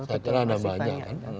satu relawan banyak